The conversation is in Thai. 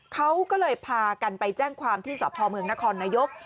เขาก็เลยพากันไปแจ้งความที่สพเมืองนครนายก